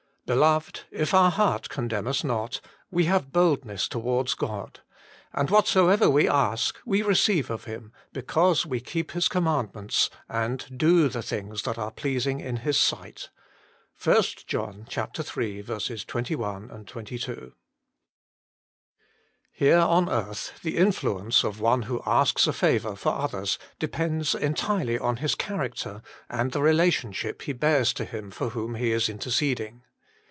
"Beloved, if our heart condemn us not, we have boldness toward God; and whatsoever we ask, we receive of Him, because we keep His commandments, and do the things that are pleasing in His sight." 1 JOHN iii. 21, 22. TTERE on earth the influence of one who asks a favour for others depends entirely on his character, and the relationship he bears to him with whom he is interceding.